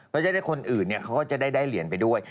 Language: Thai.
ก็จะได้คนอื่นเขาก็จะได้เหรียญไปด้วย